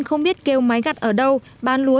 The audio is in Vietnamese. không biết kêu máy gặt ở đâu bán lúa